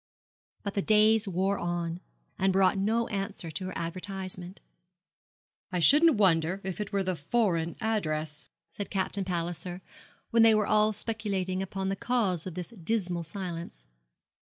But the days wore on, and brought no answer to her advertisement. 'I shouldn't wonder if it were the foreign address,' said Captain Palliser, when they were all speculating upon the cause of this dismal silence.